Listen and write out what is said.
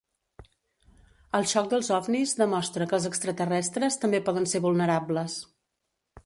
El xoc dels ovnis demostra que els extraterrestres també poden ser vulnerables.